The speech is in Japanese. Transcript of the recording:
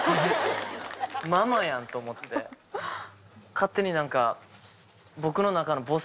勝手に何か。